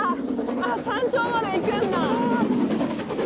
あっ山頂まで行くんだ。